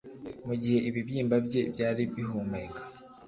Mugihe ibibyimba bye byari bihumeka